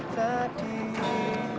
setau tadi sini